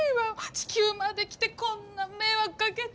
地球まで来てこんな迷惑かけて。